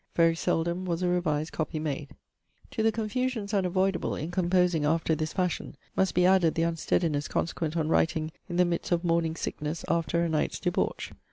Very seldom was a revised copy made. To the confusions unavoidable in composing after this fashion, must be added the unsteadiness consequent on writing in the midst of morning sickness after a night's debauch.